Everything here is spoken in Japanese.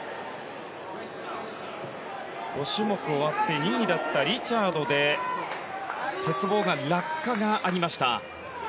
５種目終わって２位だったリチャードで鉄棒で落下がありました。